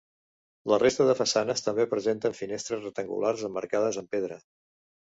La resta de façanes també presenten finestres rectangulars emmarcades amb pedra.